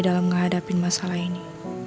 dalam ngehadapin masalah ini